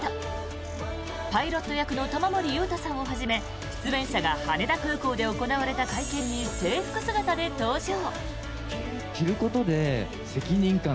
パイロット役の玉森裕太さんをはじめ出演者が羽田空港で行われた会見に制服姿で登場。